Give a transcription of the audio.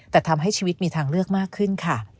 แต่ทำให้ชีวิตมีทางเลือกมากขึ้นค่ะ